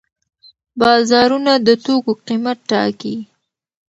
بازارونه د توکو قیمت ټاکي.